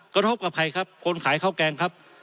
กระทบกับใครครับคนขายข้าวแกงครับ